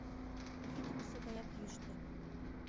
Йӱдымсӧ гаяк йӱштӧ.